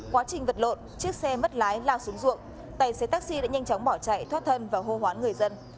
quá trình vật lộn chiếc xe mất lái lao xuống ruộng tài xế taxi đã nhanh chóng bỏ chạy thoát thân và hô hoán người dân